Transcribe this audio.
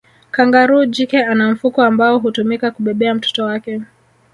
kangaroo jike ana mfuko ambao hutumika kubebea mtoto wake